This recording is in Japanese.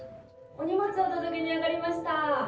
・お荷物お届けに上がりました！